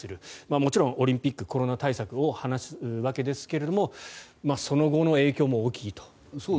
もちろん、オリンピックコロナ対策を話すわけですけれどもその後の影響も大きいと。